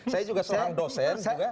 saya juga seorang dosen